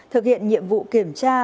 thực hiện nhiệm vụ kiểm tra